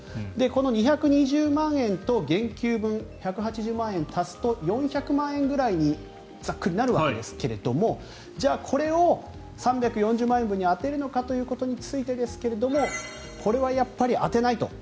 この２２０万円と減給分の１８０万円を足すと４００万円ぐらいにざっくりなるわけですがじゃあ、これを３４０万円分に充てるのかということについてですがこれは充てないと。